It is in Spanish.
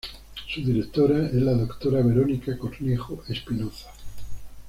Su directora es la Doctora Verónica Cornejo Espinoza.